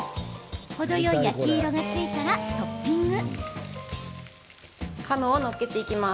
程よい焼き色がついたらトッピング。